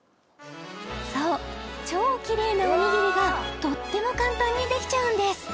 そう超キレイなおにぎりがとっても簡単にできちゃうんです・